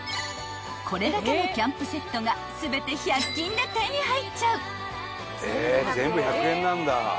［これだけのキャンプセットが全て１００均で手に入っちゃう］